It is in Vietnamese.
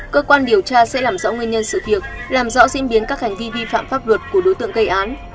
cơ quan điều tra sẽ làm rõ nguyên nhân sự việc làm rõ diễn biến các hành vi vi phạm pháp luật của đối tượng gây án